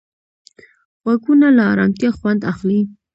غوږونه له ارامتیا خوند اخلي